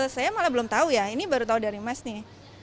saya malah belum tahu ya ini baru tahu dari mas nih